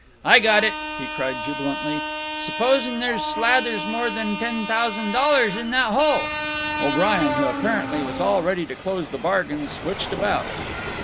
"I got it!" he cried jubilantly. "Supposen there's slathers more'n ten thousand dollars in that hole!" O'Brien, who apparently was all ready to close the bargain, switched about.